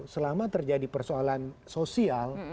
selama terjadi persoalan sosial